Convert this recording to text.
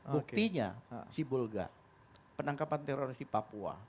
buktinya si bulga penangkapan terorisi papua